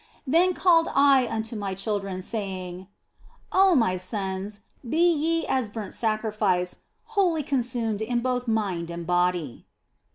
Then called I unto my children, saying " Oh my sons, be ye as a burnt sacrifice, wholly con sumed both in mind and body."